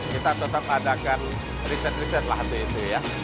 kita tetap adakan riset riset lah untuk itu ya